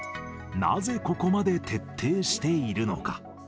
なぜここまで徹底しているのか。